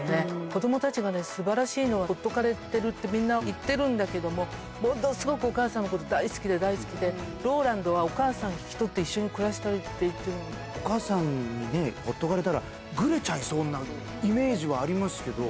子どもたちがすばらしいのは、ほっとかれてるって、みんな言ってるんだけれども、ものすごくお母さんのこと大好きで大好きで、ローランドはお母さん引き取って一緒に暮らしたいって言ってるんお母さんにね、ほっとかれたら、ぐれちゃいそうなイメージはありますけど。